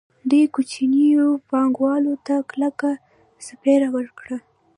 دوی کوچنیو پانګوالو ته کلکه څپېړه ورکړه